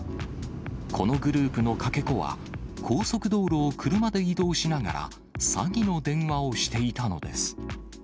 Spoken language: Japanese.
このグループのかけ子は、高速道路を車で移動しながら、詐欺の電話をしていたのです。